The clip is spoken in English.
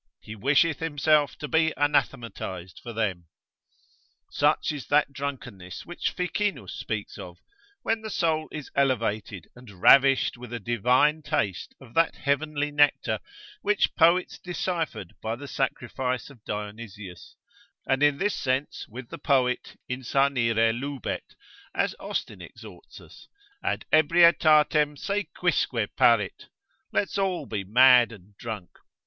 he wisheth himself to be anathematised for them. Such is that drunkenness which Ficinus speaks of, when the soul is elevated and ravished with a divine taste of that heavenly nectar, which poets deciphered by the sacrifice of Dionysius, and in this sense with the poet, insanire lubet, as Austin exhorts us, ad ebrietatem se quisque paret, let's all be mad and drunk.